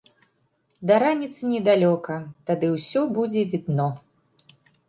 Да раніцы недалёка, тады ўсё будзе відно.